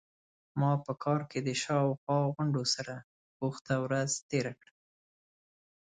ما په کار کې د شا او خوا غونډو سره بوخته ورځ تیره کړه.